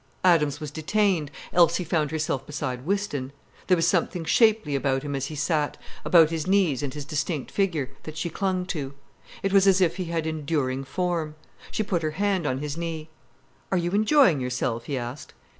Adams was detained. Elsie found herself beside Whiston. There was something shapely about him as he sat, about his knees and his distinct figure, that she clung to. It was as if he had enduring form. She put her hand on his knee. "Are you enjoying yourself?" he asked.